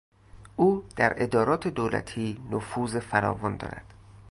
او در ادارات دولتی نفوذ فراوان دارد.